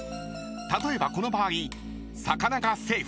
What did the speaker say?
［例えばこの場合魚がセーフ］